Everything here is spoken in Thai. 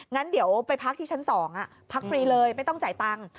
งั้นเดี๋ยวไปพักที่ชั้น๒พักฟรีเลยไม่ต้องจ่ายตังค์